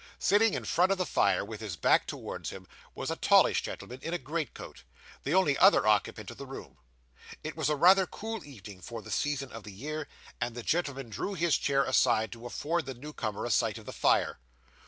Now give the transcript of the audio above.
Sitting in front of the fire, with his back towards him, was a tallish gentleman in a greatcoat: the only other occupant of the room. It was rather a cool evening for the season of the year, and the gentleman drew his chair aside to afford the new comer a sight of the fire.